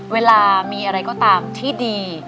เวลามีอะไรก็ตามที่ดี